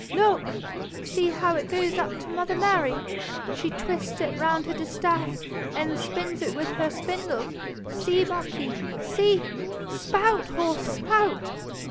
'Look! See how it goes up to mother Mary. She twists it round her distaff and spins it with her spindle. See, marquis, see! Spout, horse, spout.'